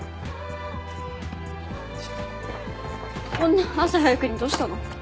こんな朝早くにどうしたの？